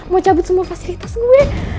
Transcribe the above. mau cabut semua fasilitas gue